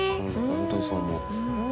本当にそう思う。